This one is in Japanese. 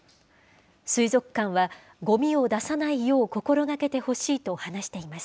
水族館は、ごみを出さないよう心がけてほしいと話しています。